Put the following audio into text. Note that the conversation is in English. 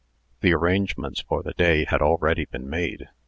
The arrangements for the day had already been made.